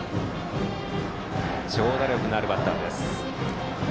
長打力のあるバッターです。